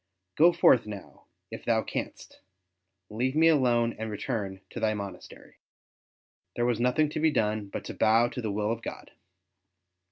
Go forth now if thou canst; leave me alone and return to thy monastery." There was nothing to be done but to bow to the Will of God.